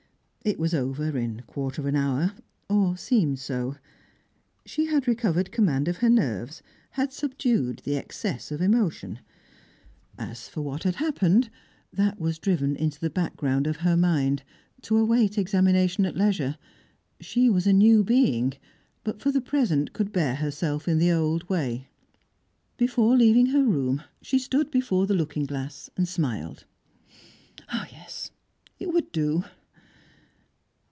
It was over in a quarter of an hour or seemed so. She had recovered command of her nerves, had subdued the excess of emotion. As for what had happened, that was driven into the background of her mind, to await examination at leisure. She was a new being, but for the present could bear herself in the old way. Before leaving her room, she stood before the looking glass, and smiled. Oh yes, it would do!